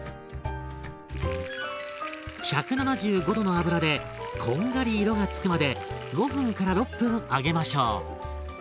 １７５℃の油でこんがり色が付くまで５分から６分揚げましょう。